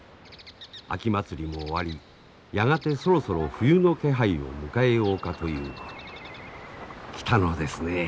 秋祭りも終わりやがてそろそろ冬の気配を迎えようかという頃来たのですねえ。